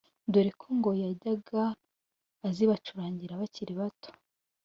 dore ko ngo yajyaga azibacurangira bakiri bato